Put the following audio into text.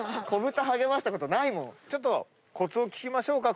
ちょっとコツを聞きましょうか。